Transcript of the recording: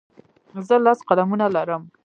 زه لس قلمونه لرم.